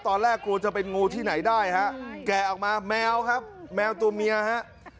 ตอนแรกกลัวจะเป็นงูที่ไหนได้ฮะแกะออกมาแมวครับแมวตัวเมียฮะ